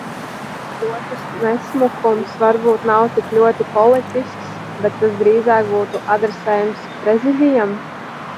Otrs nesmukums varbūt nav tik ļoti politisks, bet tas drīzāk būtu adresējams Prezidijam.